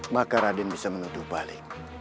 maka raden bisa menuduh balik